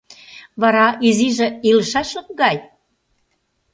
— Вара, изиже илышашлык гай?